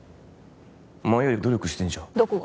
前より努力してんじゃんどこが？